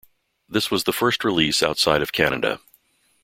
This was the first release outside of Canada.